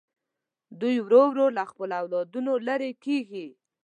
دوی ورو ورو له خپلو اولادونو لرې کېږي.